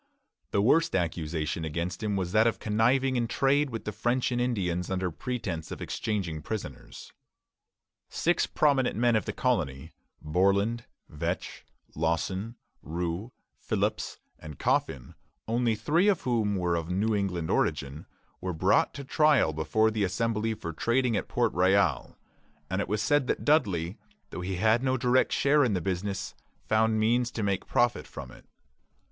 The worst accusation against him was that of conniving in trade with the French and Indians under pretence of exchanging prisoners. Six prominent men of the colony Borland, Vetch, Lawson, Rous, Phillips, and Coffin, only three of whom were of New England origin were brought to trial before the Assembly for trading at Port Royal; and it was said that Dudley, though he had no direct share in the business, found means to make profit from it.